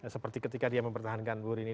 seperti ketika dia mempertahankan bu rini